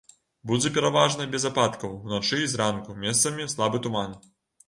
Будзе пераважна без ападкаў, уначы і зранку месцамі слабы туман.